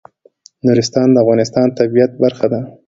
نورستان د افغانستان د طبیعت برخه ده.